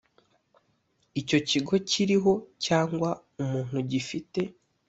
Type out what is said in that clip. Icyo kigo kiriho cyangwa umuntu gifite